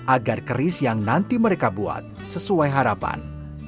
agar keris yang nanti mereka buat sesuai harapan